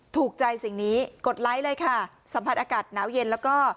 ถูกใจสิ่งนี้กดไลค์เลยค่ะสัมผัสอากาศหนาวเย็นแล้วก็